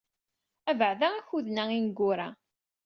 Abeɛda akuden-a ineggura.